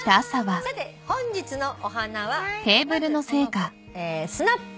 さて本日のお花はまずこの子スナップ。